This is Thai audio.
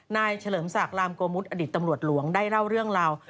เฉลิมศักดิ์ลามโกมุทอดีตตำรวจหลวงได้เล่าเรื่องราว